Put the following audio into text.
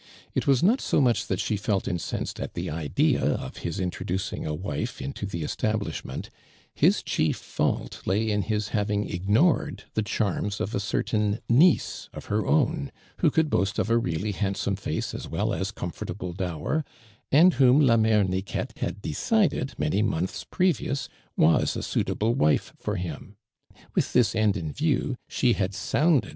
It was not so much that she felt incensed at the idea of his introducing a wife into the establishment ; his chief fault lay in his having ignored the charms of a certain niece of her own, who could boast of a really handsome face as well as comfortable dower, and whom la mb e Niqueite had decided many months previous was a suitable wife for him. With this end in view she had sounded